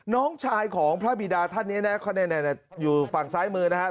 น้องชายของพระบิดาท่านนี้นะอยู่ฝั่งซ้ายมือนะครับ